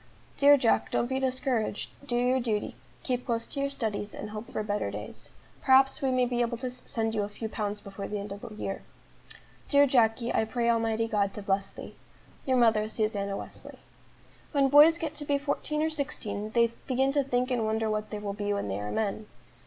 "Dear Jack, don't be discouraged; do your duty; keep close to your studies, and hope for better days. Perhaps we may be able to send you a few pounds before the end of the year. "Dear Jacky, I pray Almighty God to bless thee! "Your mother, "SUSANNA WESLEY." When boys get to be fourteen or sixteen, they begin to think and wonder what they will be when they are men.